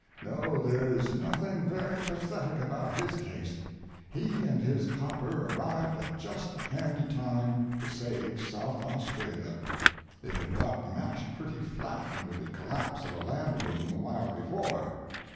No, there is nothing very pathetic about his case. He and his copper arrived at just a handy time to save South Australia. It had got mashed pretty flat under the collapse of a land boom a while before."